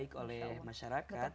dengan baik oleh masyarakat